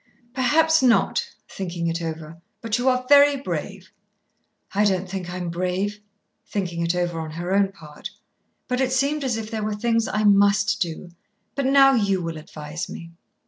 "Perhaps not," thinking it over; "but you are very brave." "I don't think I'm brave," thinking it over on her own part, "but it seemed as if there were things I must do. But now you will advise me."